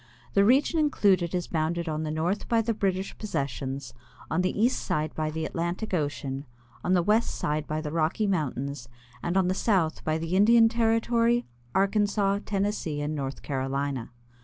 The region included is bounded on the north by the British possessions, on the east by the Atlantic ocean, on the west by the Rocky mountains, and on the south by the Indian Territory, Arkansas, Tennessee, and North Carolina.